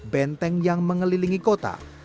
benteng yang mengelilingi kota